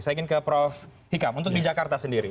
saya ingin ke prof hikam untuk di jakarta sendiri